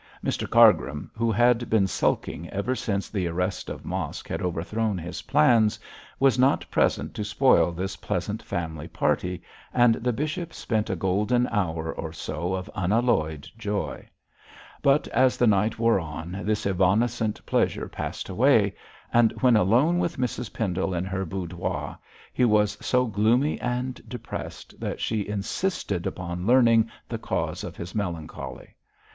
Mr Cargrim, who had been sulking ever since the arrest of Mosk had overthrown his plans, was not present to spoil this pleasant family party, and the bishop spent a golden hour or so of unalloyed joy. But as the night wore on, this evanescent pleasure passed away, and when alone with Mrs Pendle in her boudoir, he was so gloomy and depressed that she insisted upon learning the cause of his melancholy.